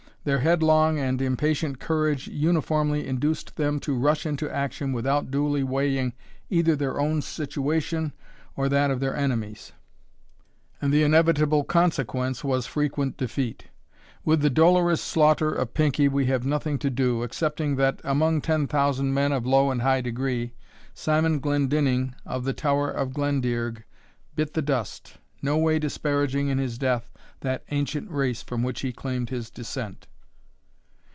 Their headlong and impatient courage uniformly induced them to rush into action without duly weighing either their own situation, or that of their enemies, and the inevitable consequence was frequent defeat. With the dolorous slaughter of Pinkie we have nothing to do, excepting that, among ten thousand men of low and high degree, Simon Glendinning, of the Tower of Glendearg, bit the dust, no way disparaging in his death that ancient race from which he claimed his descent.